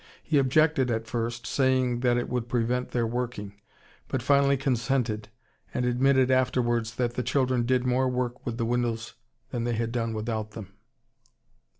He objected at first, saying that it would prevent their working, but finally consented, and admitted afterwards that the children did more work with the windows than they had done without them.